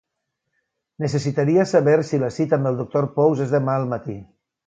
Necessitaria saber si la cita amb el doctor Pous és demà al matí.